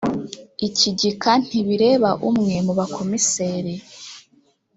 Iki gika ntibireba umwe mu bakomiseri